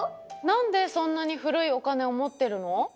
なんでそんなにふるいおかねをもってるの？